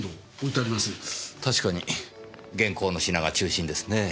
確かに現行の品が中心ですねぇ。